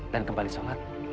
dan kembali sholat